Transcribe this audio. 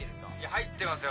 入ってますよ